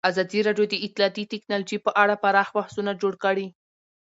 ازادي راډیو د اطلاعاتی تکنالوژي په اړه پراخ بحثونه جوړ کړي.